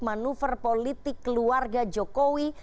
manuver politik keluarga jokowi